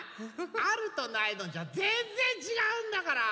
あるとないとじゃぜんぜんちがうんだから。